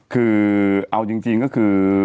คือเอาจริงก็คือ